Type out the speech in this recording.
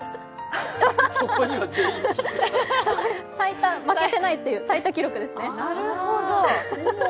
最多、負けないという、最多記録ですね。